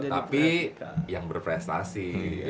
tapi yang berprestasi